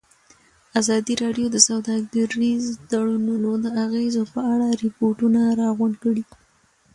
ازادي راډیو د سوداګریز تړونونه د اغېزو په اړه ریپوټونه راغونډ کړي.